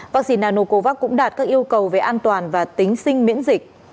vaccine nanocovax cũng đạt các yêu cầu về an toàn và tính sinh miễn dịch